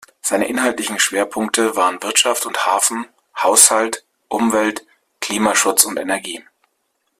Seine inhaltlichen Schwerpunkte waren Wirtschaft und Hafen, Haushalt, Umwelt, Klimaschutz und Energie.